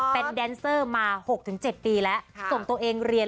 เป็นแดนเซอร์มา๖๗ปีแล้วส่งตัวเองเรียน